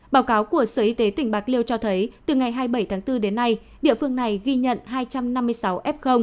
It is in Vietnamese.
báo cáo của sở y tế tỉnh bạc liêu cho thấy từ ngày hai mươi bảy tháng bốn đến nay địa phương này ghi nhận hai trăm năm mươi sáu f